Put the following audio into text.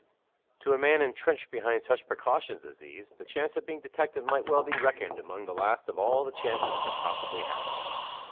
To a man intrenched behind such precautions as these, the chance of being detected might well be reckoned among the last of all the chances that could possibly happen.